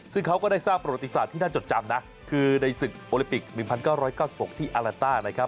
ซึ่งเขาก็ได้สร้างประวัติศาสตร์ที่น่าจดจำนะคือในศึกโอลิปิก๑๙๙๖ที่อาแลนต้านะครับ